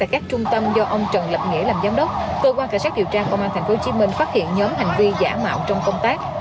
các trung tâm do ông trần lập nghĩa làm giám đốc cơ quan cảnh sát điều tra công an tp hcm phát hiện nhóm hành vi giả mạo trong công tác